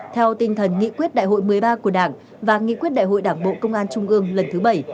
theo tinh thần nghị quyết đại hội một mươi ba của đảng và nghị quyết đại hội đảng bộ công an trung ương lần thứ bảy